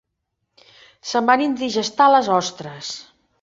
Se'm van indigestar les ostres.